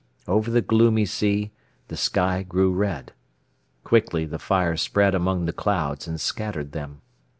Over the gloomy sea the sky grew red. Quickly the fire spread among the clouds and scattered them.